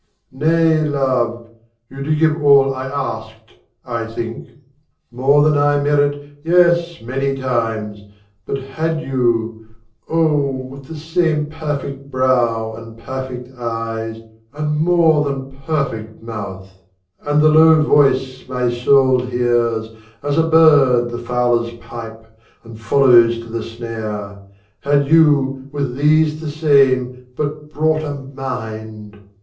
Nay, Love, you did give all I asked, I think More than I merit, yes, by many times. But had you oh, with the same perfect brow, And perfect eyes, and more than perfect mouth, And the low voice my soul hears, as a bird The fowler's pipe, and follows to the snare Had you, with these the same, but brought a mind!